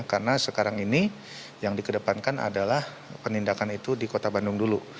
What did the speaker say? karena sekarang ini yang dikedepankan adalah penindakan itu di kota bandung dulu